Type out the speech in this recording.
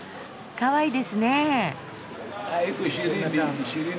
かわいいですねえ。